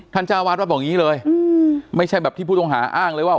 จ้าวาดวัดบอกอย่างนี้เลยไม่ใช่แบบที่ผู้ต้องหาอ้างเลยว่า